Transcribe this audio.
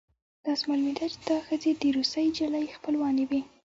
داسې معلومېده چې دا ښځې د روسۍ نجلۍ خپلوانې وې